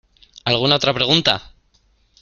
¿ alguna otra pregunta?